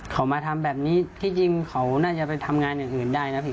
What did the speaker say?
เขามาทำแบบนี้ที่จริงเขาน่าจะไปทำงานอย่างอื่นได้นะพี่